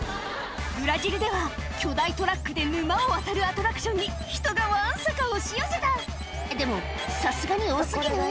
ブラジルでは巨大トラックで沼を渡るアトラクションに人がわんさか押し寄せたでもさすがに多過ぎない？